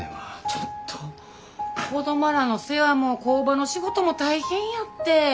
ちょっと子供らの世話も工場の仕事も大変やって。